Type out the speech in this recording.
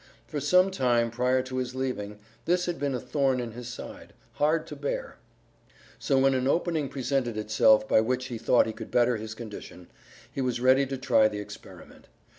For some time prior to his leaving, this had been a thorn in his side, hard to bear; so when an opening presented itself by which he thought he could better his condition, he was ready to try the experiment.